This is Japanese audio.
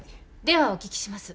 ではお聞きします。